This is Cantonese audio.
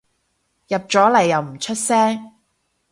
入咗嚟又唔出聲